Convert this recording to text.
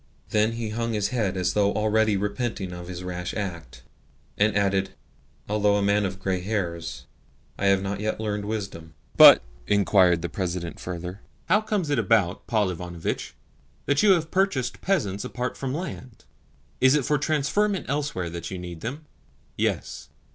Then he hung his head as though already repenting of his rash act, and added: "Although a man of grey hairs, I have not yet learned wisdom." "But," inquired the President further, "how comes it about, Paul Ivanovitch, that you have purchased peasants apart from land? Is it for transferment elsewhere that you need them?" "Yes."